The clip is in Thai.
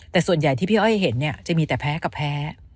แต่ส่วนใหญ่ที่พี่อ้อยเห็นเนี่ยจะมีแต่แพ้กับแพ้